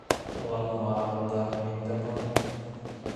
Уларҙың араһында мин дә бар инем.